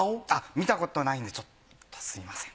見たことないんでちょっとすみません。